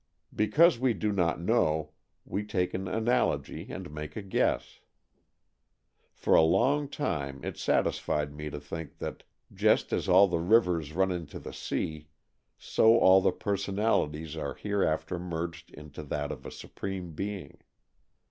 Because we do not know, we take an analogy and make a guess. For a long time it satisfied me to think that just as all the rivers run into the sea, so all the personalities are hereafter merged into that of a supreme being.